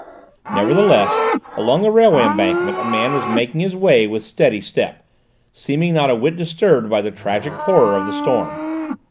Nevertheless, along the railway embankment, a man was making his way with steady step, seeming not a whit disturbed by the tragic horror of the storm.